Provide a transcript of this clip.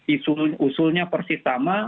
isu usulnya persis sama